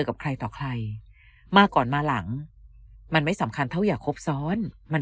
กับใครต่อใครมาก่อนมาหลังมันไม่สำคัญเท่าอย่าครบซ้อนมัน